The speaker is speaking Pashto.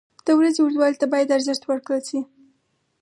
• د ورځې اوږدوالي ته باید ارزښت ورکړل شي.